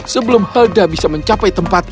sebelum helda bisa mencapai tempat